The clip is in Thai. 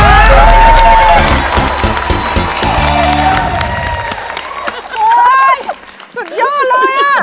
โอ้โหสุดยอดเลยอ่ะ